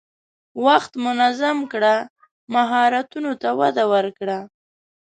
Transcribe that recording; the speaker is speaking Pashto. وخت منظم کړه، مهارتونو ته وده ورکړه.